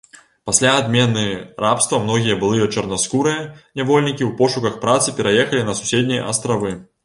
Пасля адмены рабства многія былыя чарнаскурыя нявольнікі ў пошуках працы пераехалі на суседнія астравы.